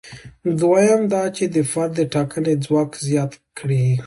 دویم دا چې د فرد د ټاکنې ځواک زیات کړي.